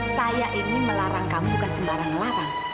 saya ini melarang kamu bukan sembarang larang